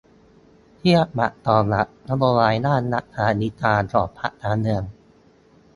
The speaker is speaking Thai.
เทียบหมัดต่อหมัด นโยบายด้าน 'รัฐสวัสดิการ' ของพรรคการเมือง